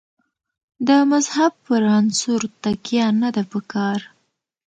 د مذهب پر عنصر تکیه نه ده په کار.